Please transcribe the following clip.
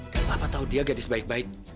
dan papa tahu dia gadis baik baik